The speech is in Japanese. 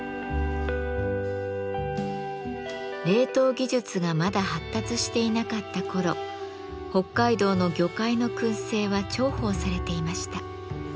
冷凍技術がまだ発達していなかった頃北海道の魚介の燻製は重宝されていました。